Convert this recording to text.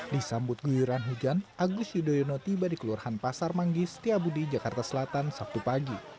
disambut guyuran hujan agus yudhoyono tiba di kelurahan pasar manggi setiabudi jakarta selatan sabtu pagi